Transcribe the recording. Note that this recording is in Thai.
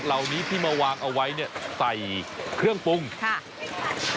เหล่านี้ที่มาวางเอาไว้เนี่ยใส่เครื่องปรุงค่ะ